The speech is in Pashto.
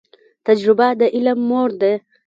تجریبه د علم مور ده